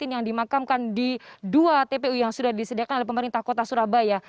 yang dimakamkan di dua tpu yang sudah disediakan oleh pemerintah kota surabaya